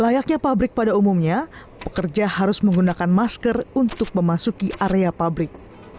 layaknya pabrik pada umumnya pekerja harus menggunakan masker untuk memasuki area pabrik